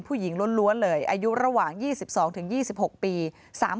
ผู้หญิงล้วนเลยอายุระหว่างยี่สิบสองถึงยี่สิบหกปีสาม